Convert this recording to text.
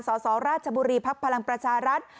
สสราชบุรีภักดิ์พลังประชารัฐ